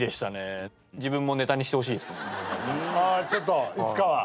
ちょっといつかは。